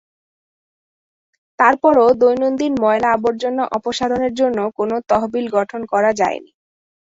তার পরও দৈনন্দিন ময়লা-আবর্জনা অপসারণের জন্য কোনো তহবিল গঠন করা যায়নি।